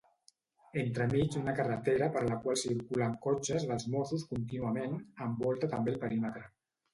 Entremig una carretera per la qual circulen cotxes dels mossos contínuament envolta també el perímetre.